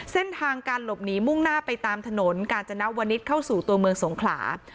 เส้นทางการหลบหนีมุ่งหน้าไปตามถนนกาญจนวนิษฐ์เข้าสู่ตัวเมืองสงขลา